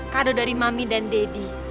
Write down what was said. kado dari mami dan deddy